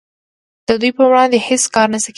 د دوی په وړاندې هیڅ کار نشي کیدای